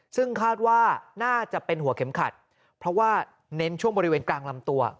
ซึ่งคาดว่าน่าจะเป็นหัวเข็มขัดเพราะว่าเน้นช่วงบริเวณกลางลำตัว